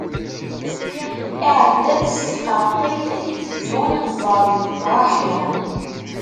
Iɛedda-d s tqerṭilt, iteddu ixeẓẓer deg ṭṭraḥi.